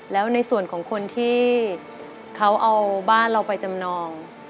แล้วในส่วนของคนที่เขาเอาบ้านเราไปจำนอง